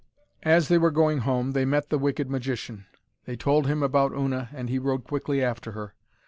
As they were going home they met the wicked magician. They told him about Una, and he rode quickly after her.